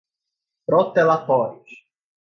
protelatórios